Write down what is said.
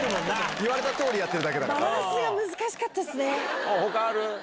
言われたとおりやってるだけバランスが難しかったですね。